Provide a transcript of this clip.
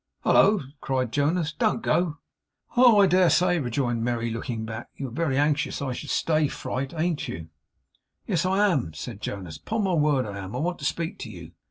'Hallo!' cried Jonas. 'Don't go.' 'Oh, I dare say!' rejoined Merry, looking back. 'You're very anxious I should stay, fright, ain't you?' 'Yes, I am,' said Jonas. 'Upon my word I am. I want to speak to you.